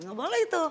gak boleh itu